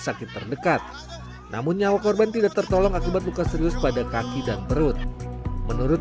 sakit terdekat namun nyawa korban tidak tertolong akibat luka serius pada kaki dan perut menurut